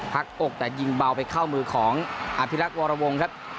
อกแต่ยิงเบาไปเข้ามือของอภิรักษ์วรวงครับ